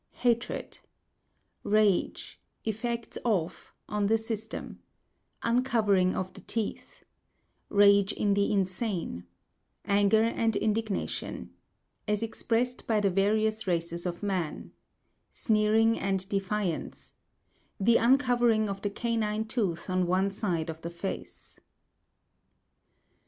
Hatred—Rage, effects of on the system—Uncovering of the teeth—Rage in the insane—Anger and indignation—As expressed by the various races of man—Sneering and defiance—The uncovering of the canine tooth on one side of the face.